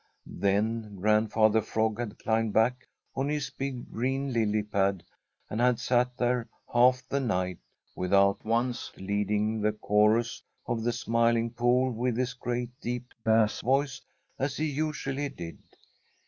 Then Grandfather Frog had climbed back on his big green lily pad and had sat there half the night without once leading the chorus of the Smiling Pool with his great deep bass voice as he usually did.